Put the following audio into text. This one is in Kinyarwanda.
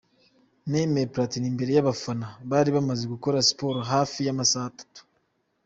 Nemeye Platini imbere y'abafana bari bamaze gukora siporo hafi amasaha atanu.